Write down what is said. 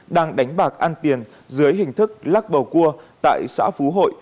đang đánh bạc ăn tiền dưới hình thức lắc bầu cua tại xã phú hội